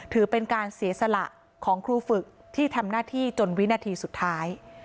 ถือเป็นการเสียสละของครูฝึกที่ทำหน้าที่จนวินาทีสุดท้าย